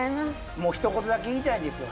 もう一言だけ言いたいんですよ